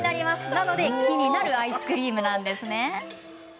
なので、木になるアイスクリームなんです。